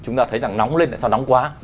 chúng ta thấy rằng nóng lên tại sao nóng quá